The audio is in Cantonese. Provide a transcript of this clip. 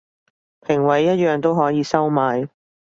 評委一樣都可以收買